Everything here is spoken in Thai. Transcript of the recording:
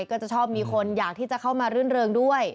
ก็จะชอบมีคนอยากที่จะเข้ามารื่นเริงด้วย